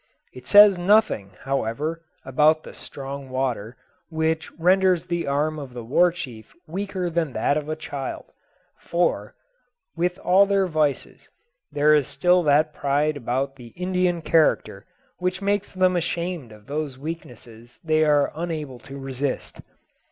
It says nothing, however, about the "strong water," which renders the arm of the war chief weaker than that of a child; for, with all their vices, there is still that pride about the Indian character which makes them ashamed of those weaknesses they are unable to resist.